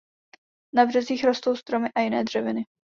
Na březích rostou stromy a jiné dřeviny.